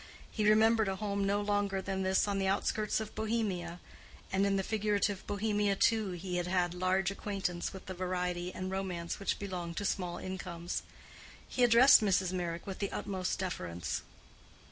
He remembered a home no longer than this on the outskirts of Bohemia; and in the figurative Bohemia too he had had large acquaintance with the variety and romance which belong to small incomes. He addressed Mrs. Meyrick with the utmost deference.